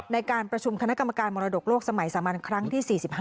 ในการประชุมคณะกรรมการมรดกโลกสมัยสามัญครั้งที่๔๕